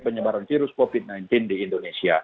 penyebaran virus covid sembilan belas di indonesia